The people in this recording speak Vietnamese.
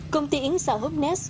công ty yến xào húp nét